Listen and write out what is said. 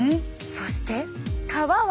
そして革は。